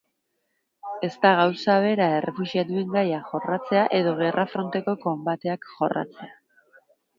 Ez da gauza bera errefuxiatuen gaia jorratzea edo gerra-fronteko konbateak jorratzea.